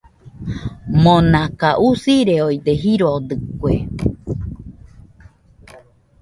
Monaka usireode jirodɨkue.